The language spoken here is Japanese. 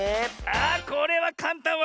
あこれはかんたん！